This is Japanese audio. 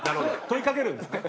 問い掛けるんですね。